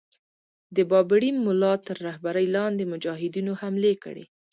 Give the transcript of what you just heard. د بابړي مُلا تر رهبری لاندي مجاهدینو حملې کړې.